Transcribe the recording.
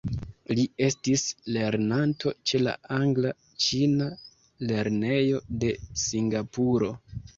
Li estis lernanto ĉe la Angla-Ĉina Lernejo de Singapuro.